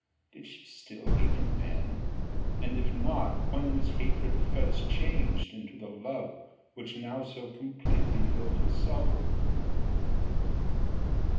did she still hate him then? and if not when was hatred first changed into the love which now so completely filled her soul?